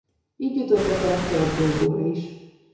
Így jutottak el a Föld bolygóra is.